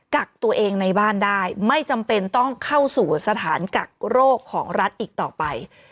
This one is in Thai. กักตัวเองในบ้านได้ไม่จำเป็นต้องเข้าสู่สถานกักโรคของรัฐอีกต่อไป